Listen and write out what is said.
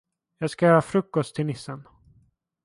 Jag ska göra frukost till Nissen!